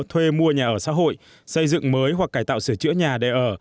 thuê mua nhà ở xã hội xây dựng mới hoặc cải tạo sửa chữa nhà để ở